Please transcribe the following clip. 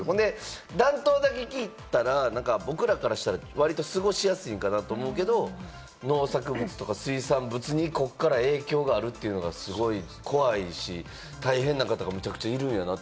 暖冬だけ聞いたら、僕らからしたらわりと過ごしやすいかなと思うけれども、農作物とか水産物にこっから影響があるというのが、すごい怖いし、大変な方がむちゃくちゃいるんやなって。